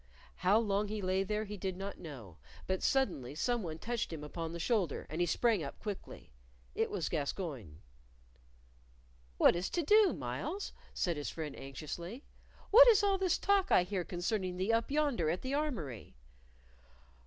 How long he lay there he did not know, but suddenly some one touched him upon the shoulder, and he sprang up quickly. It was Gascoyne. "What is to do, Myles?" said his friend, anxiously. "What is all this talk I hear concerning thee up yonder at the armory?"